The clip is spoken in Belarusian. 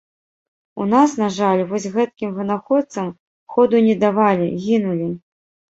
У нас, на жаль, вось гэткім вынаходцам ходу не давалі, гінулі.